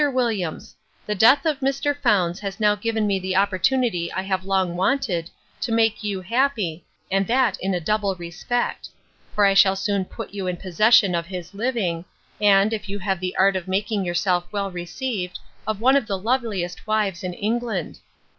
WILLIAMS, 'The death of Mr. Fownes has now given me the opportunity I have long wanted, to make you happy, and that in a double respect: For I shall soon put you in possession of his living; and, if you have the art of making yourself well received, of one of the loveliest wives in England.